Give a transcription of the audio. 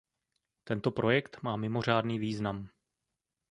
Tento projekt má mimořádný význam.